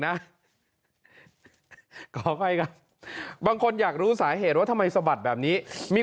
ขออภัยครับบางคนอยากรู้สาเหตุว่าทำไมสะบัดแบบนี้มี